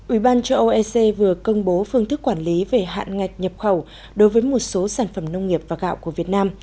ủy ban châu âu ec vừa công bố phương thức quản lý về hạn ngạch nhập khẩu đối với một số sản phẩm nông nghiệp và gạo của việt nam